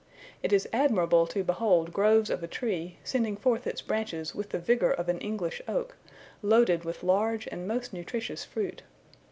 It is admirable to behold groves of a tree, sending forth its branches with the vigour of an English oak, loaded with large and most nutritious fruit.